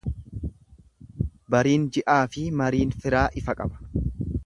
Bariin ji'aafi mariin firaa ifa qaba.